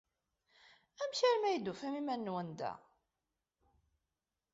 Amek armi ay d-tufam iman-nwen da?